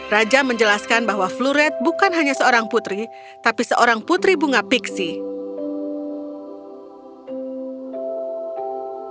raja menjelaskan bahwa fluret bukan hanya seorang putri tapi seorang putri bunga pixie